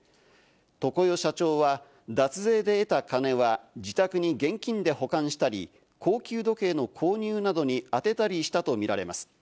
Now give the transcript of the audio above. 常世社長は脱税で得た金は自宅に現金で保管したり、高級時計の購入などに充てたりしたと見られます。